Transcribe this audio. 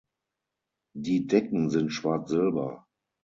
Die Decken sind Schwarz Silber.